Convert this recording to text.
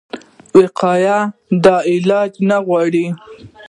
وقایه د علاج نه غوره ده